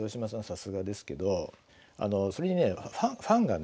さすがですけどそれにねファンがね